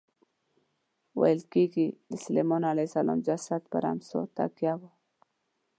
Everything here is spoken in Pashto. ویل کېږي د سلیمان علیه السلام جسد پر امسا تکیه و.